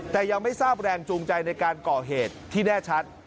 แต่ยังไม่ทราบแรงจูงใจในการก่อเหตุที่แน่ชัด